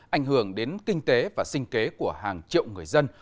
ảnh hưởng đến kinh tế và sinh kế của hàng triệu người dân